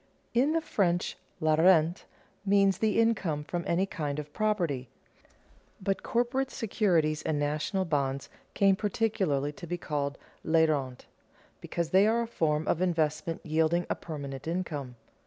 In the French la rente means the income from any kind of property; but corporate securities and national bonds came particularly to be called les rentes, because they are a form of investment yielding a permanent income.